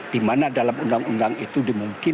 di mana dalam undang undang itu dimudahkan